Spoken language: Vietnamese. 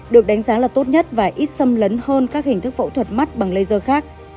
được đánh giá là tốt nhất và ít xâm lấn hơn các hình thức phẫu thuật mắt bằng laser khác